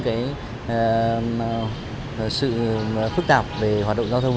để đảm bảo chung cho thủ đô